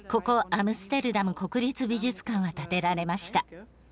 アムステルダム国立美術館は建てられました。